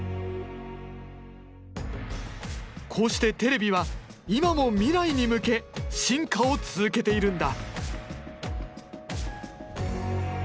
こうしてテレビは今も未来に向け進化を続けているんだ。